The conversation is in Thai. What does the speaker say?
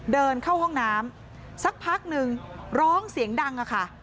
เดินเข้าห้องน้ำสักพักหนึ่งร้องเสียงดังอะค่ะ